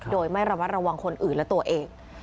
โดยไม่ระมัดระวังคนอื่นและตัวเอง